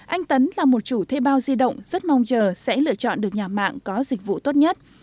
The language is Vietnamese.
anh tấn là một chủ thuê bao di động rất mong chờ sẽ lựa chọn được nhà mạng có dịch vụ tốt nhất